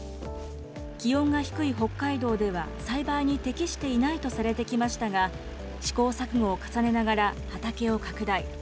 気温が低い北海道では栽培に適していないとされてきましたが、試行錯誤を重ねながら畑を拡大。